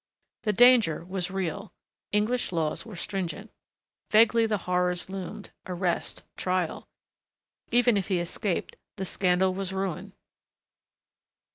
The danger was real. English laws were stringent. Vaguely the horrors loomed arrest, trial.... Even if he escaped the scandal was ruin....